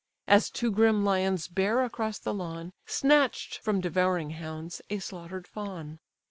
As two grim lions bear across the lawn, Snatch'd from devouring hounds, a slaughter'd fawn.